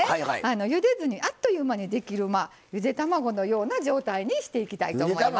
ゆでずにあっという間にできるゆで卵のような状態にしていきたいと思います。